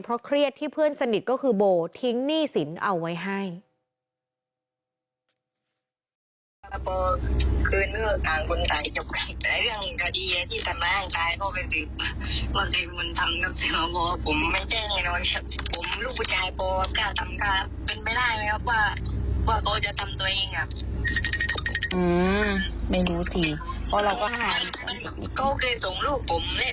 เพราะเครียดที่เพื่อนสนิทก็คือโบทิ้งหนี้สินเอาไว้ให้